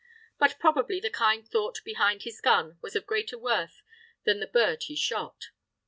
But probably the kind thought behind his gun was of greater worth than the bird he shot.